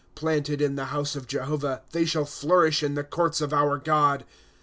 '■'' Planted in the house of Jehovah, They shall flourish in the courts of our God.